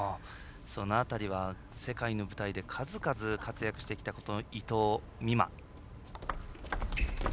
その辺りは世界の舞台で数々活躍してきた伊藤美誠。